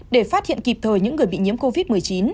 để phát hiện kịp thời những người bị nhiễm covid một mươi chín